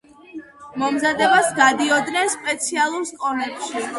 მომზადებას გადიოდნენ სპეციალურ სკოლებში.